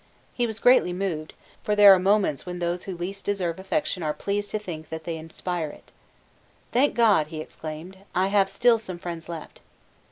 He was greatly moved: for there are moments when those who least deserve affection are pleased to think that they inspire it. "Thank God," he exclaimed, "I have still some friends left."